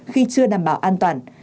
khi chưa đảm bảo an toàn